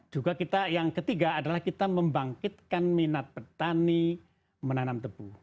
juga kita yang ketiga adalah kita membangkitkan minat petani menanam tebu